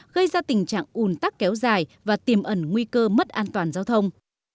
gây ra tình trạng ùn tắc kéo dài và tiềm ẩn nguy cơ mất an toàn giao thông